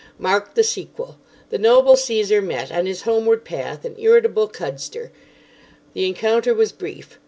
Mark the sequel. The noble Caesar met, on his homeward path, an irritable cudster. The encounter was brief.